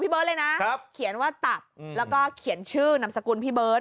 เบิร์ตเลยนะเขียนว่าตัดแล้วก็เขียนชื่อนามสกุลพี่เบิร์ต